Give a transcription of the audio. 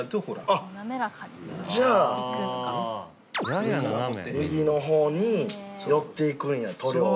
あっじゃあ右の方に寄っていくんや塗料が。